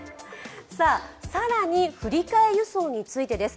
更に振り替え輸送についてです。